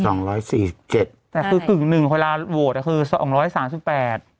สองร้อยสี่สิบเจ็ดแต่คือกึ่งหนึ่งเวลาโหวตอ่ะคือสองร้อยสามสิบแปด